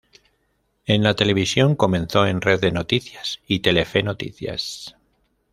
En la televisión comenzó en Red de Noticias y "Telefe Noticias".